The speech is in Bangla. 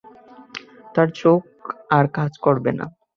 তার চোখ আর কাজ করবে না।